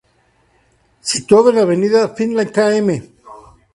Situado en Avenida Finlay Km.